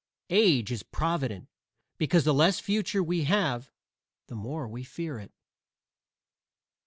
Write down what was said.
Age is provident because the less future we have the more we fear it.